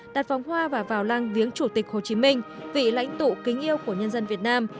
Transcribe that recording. đặt phóng hoa và vào lăng viếng chủ tịch hồ chí minh vị lãnh tụ kính yêu của nhân dân việt nam